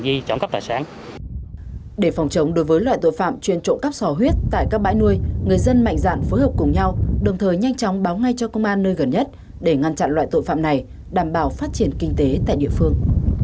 để phòng chống đối với loại tội phạm chuyên trộm cắp sò huyết tại các bãi nuôi người dân mạnh dạn phối hợp cùng nhau đồng thời nhanh chóng báo ngay cho công an nơi gần nhất để ngăn chặn loại tội phạm này đảm bảo phát triển kinh tế tại địa phương